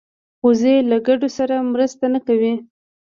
وزې له ګډو سره مرسته نه کوي